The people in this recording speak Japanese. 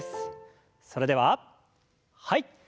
それでははい。